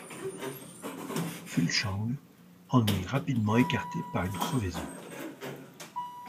Fuglsang en est rapidement écarté par une crevaison.